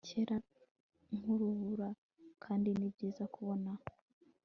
cyera nk'urubura, kandi ni byiza kubona